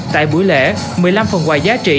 tại buổi lễ một mươi năm phần quà giá trị